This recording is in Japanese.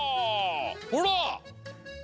ほら！